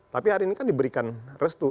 tapi hari ini kan diberikan restu